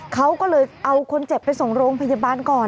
เขาก็เลยเอาคนเจ็บไปส่งโรงพยาบาลก่อน